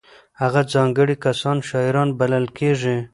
هغه ځانګړي کسان شاعران بلل کېږي.